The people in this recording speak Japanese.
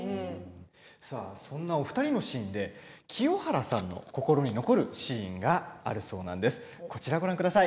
そんなお二人のシーンで清原さんの心に残るシーンがあるそうです。